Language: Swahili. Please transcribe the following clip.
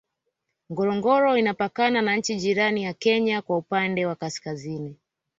Ngorongoro inapakana na nchi jirani ya Kenya kwa upande wa Kaskazini